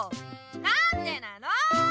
なんでなの！